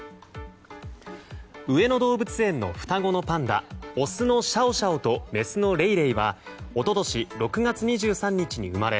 上野動物園の双子のパンダオスのシャオシャオとメスのレイレイは一昨年６月２３日に生まれ